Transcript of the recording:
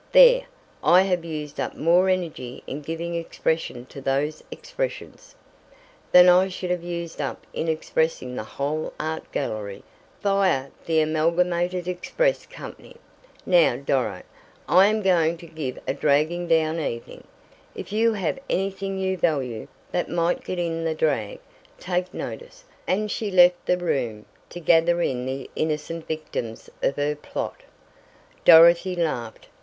There, I have used up more energy in giving expression to those expressions " "Than I should have used up in expressing the whole art gallery via the Amalgamated Express Company. Now, Doro, I am going to give a dragging down evening. If you have anything you value, that might get in the drag, take notice," and she left the room, to gather in the innocent victims of her plot. Dorothy laughed.